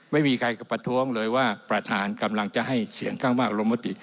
ไม่มีใครประท้วงเลยว่าประธานกำลังจะให้เสียงข้างมากลงมติ